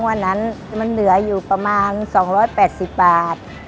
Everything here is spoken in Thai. วันนั้นมันเหลืออยู่ประมาณ๒๘๐บาท